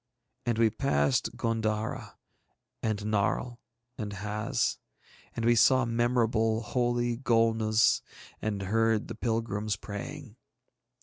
And we passed G├│ndara and Narl and Haz. And we saw memorable, holy Golnuz, and heard the pilgrims praying.